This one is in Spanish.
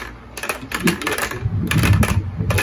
Esta influencia es evidente en la mayoría de sus trabajos.